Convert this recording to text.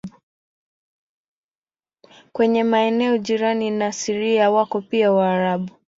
Kwenye maeneo jirani na Syria wako pia Waarabu.